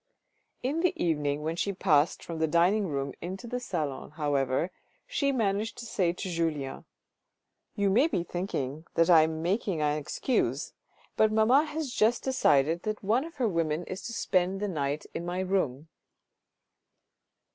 In the evening when she passed from the dining room into the salon, however, she managed to say to Julien : "You may be thinking I am making an excuse, but mamma has just decided that one of her women is to spend the night in my room."